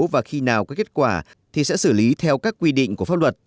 và khi nào có kết quả thì sẽ xử lý theo các quy định của pháp luật